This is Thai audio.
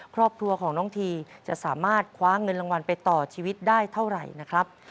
ครอบครัวของน้องทีจะสามารถคว้าเงินรางวัลไปต่อชีวิตได้เท่าไหร่นะครับ